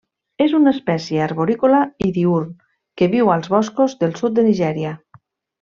És una espècie arborícola i diürn que viu als boscos del sud de Nigèria.